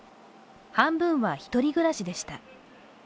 半分は１人暮らしでした。